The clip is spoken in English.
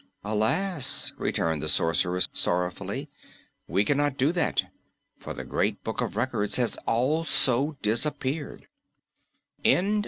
"Alas," returned the Sorceress sorrowfully, "we cannot do that, for the Great Book of Records has also disappeared!"